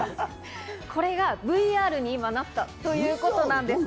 これがＶＲになったということなんです。